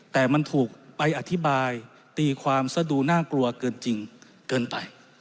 แต่มันถูกไปอธิบายตีความซะดูน่ากลัวเกินจริงเกินไป